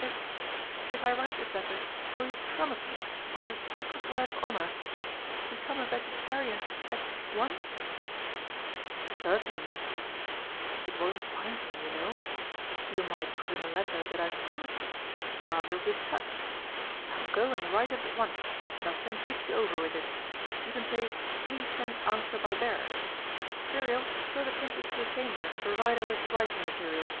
"If if I write this letter will you promise me, on your sacred word of honour, to become a vegetarian at once?" "Certainly," he said. "It won't bind me, you know. You might put in the letter that I've promised to. Rather a good touch! Now go and write it at once, and I'll send Tützi over with it. You can say, 'Please send answer by bearer!' Xuriel, show the Princess to a chamber and provide her with writing materials."